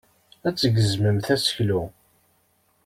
Ad tgezmemt aseklu.